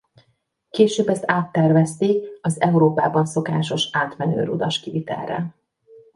Később ezt áttervezték az Európában szokásos átmenő rudas kivitelre.